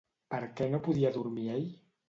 Per què no podia dormir ell?